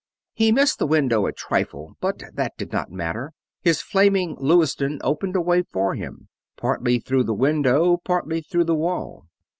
He missed the window a trifle, but that did not matter his flaming Lewiston opened a way for him, partly through the window, partly through the wall.